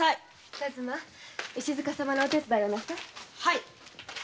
数馬石塚様のお手伝いをなさい。